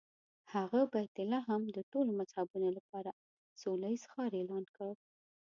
هغه بیت لحم د ټولو مذهبونو لپاره سوله ییز ښار اعلان کړ.